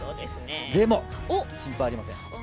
でも心配ありません。